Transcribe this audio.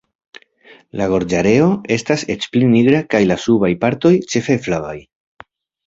La gorĝareo estas eĉ pli nigra, kaj la subaj partoj ĉefe flavaj.